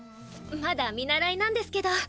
まだ見習いなんですけど。